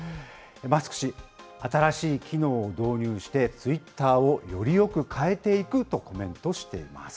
マスク氏、新しい機能を導入して、ツイッターをよりよく変えていくとコメントしています。